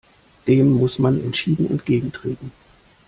Dem muss man entschieden entgegentreten!